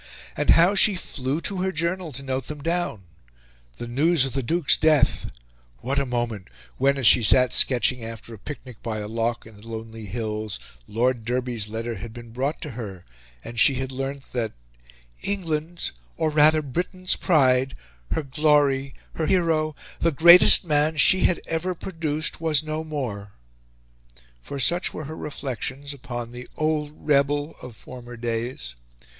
And how she flew to her journal to note them down! The news of the Duke's death! What a moment when, as she sat sketching after a picnic by a loch in the lonely hills, Lord Derby's letter had been brought to her, and she had learnt that "ENGLAND'S, or rather BRITAIN'S pride, her glory, her hero, the greatest man she had ever produced, was no morel." For such were here reflections upon the "old rebel" of former days.